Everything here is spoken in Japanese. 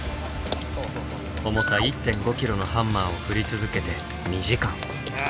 重さ１．５キロのハンマーを振り続けて２時間。